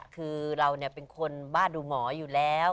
คือเราเป็นคนบ้าดูหมออยู่แล้ว